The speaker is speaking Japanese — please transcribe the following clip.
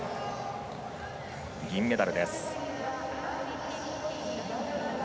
銀メダルです。